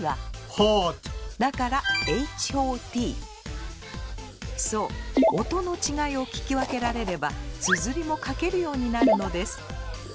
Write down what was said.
ｈｏｔ．だからそう音の違いを聞き分けられればつづりも書けるようになるのです。